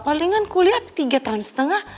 palingan kuliah tiga tahun setengah